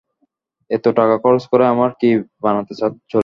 এত টাকা খরচ করে আমরা কী বানাতে চলেছি?